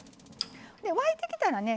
沸いてきたらね